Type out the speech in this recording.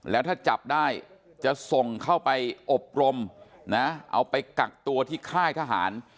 แล้วถ้าจับได้จะส่งเข้าไปอบรมนะเอาไปกักตัวที่ค่ายทหาร